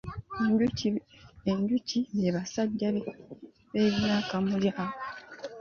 Enjuki be basajja beeyuna akamuli ako.